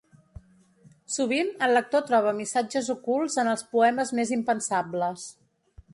Sovint, el lector troba missatges ocults en els poemes més impensables.